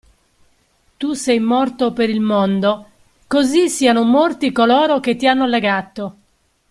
Tu sei morto per il mondo, così siano morti coloro che ti hanno legato!